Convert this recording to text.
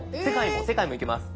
世界も行けます。